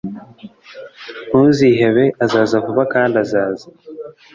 ntuzihebe azaza vuba kandi azaza